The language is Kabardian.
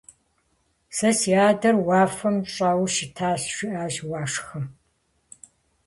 Сэ си адэр уафэм щӀэуэу щытащ, - жиӀащ Уашхэм.